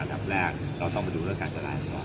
อันดับแรกเราต้องไปดูเรื่องการสลายอันดับสอง